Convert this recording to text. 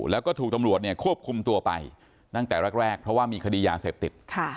แล้วก็ถูกตำรวจเนี่ยควบคุมตัวไปตั้งแต่แรกเพราะว่ามีคดียาเสพติด